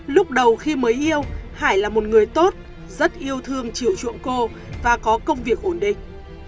lúc đầu khi mới yêu hải là một người tốt rất yêu thương chịu chuộng cô và có công việc ổn định